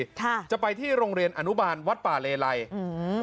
สุพรรณบุรีค่ะจะไปที่โรงเรียนอนุบาลวัดป่าเลไลอืม